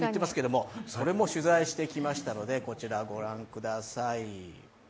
それも取材してきましたのでこちらご覧ください。